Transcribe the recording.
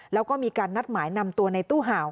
แล้วก็มีการนัดหมายนำตัวในตู้ห่าว